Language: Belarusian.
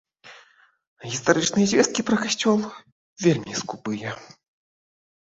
Гістарычныя звесткі пра касцёл вельмі скупыя.